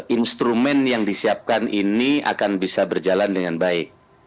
instrumen yang disiapkan ini akan bisa berjalan dengan baik